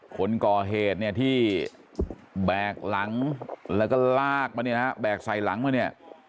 คนก่อเหตุเนี่ยที่แบกหลังแล้วก็ลากมาเนี่ยนะฮะแบกใส่หลังมาเนี่ย